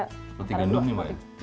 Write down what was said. roti gandum nih mbak ya